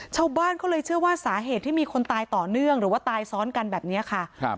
ชาวบ้านก็เลยเชื่อว่าสาเหตุที่มีคนตายต่อเนื่องหรือว่าตายซ้อนกันแบบนี้ค่ะ